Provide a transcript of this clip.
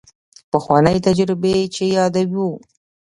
پخوانۍ تجربې چې یادوو.